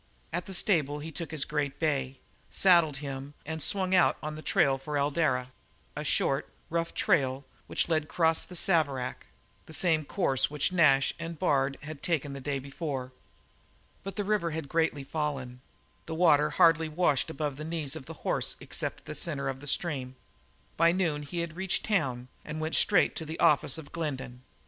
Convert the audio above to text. At the stable he took his great bay, saddled him, and swung out on the trail for Eldara, a short, rough trail which led across the Saverack the same course which Nash and Bard had taken the day before. But the river had greatly fallen the water hardly washed above the knees of the horse except in the centre of the stream; by noon he reached the town and went straight for the office of Glendin.